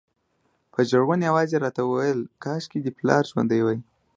په ژړغوني اواز یې راته ویل کاشکې دې پلار ژوندی وای.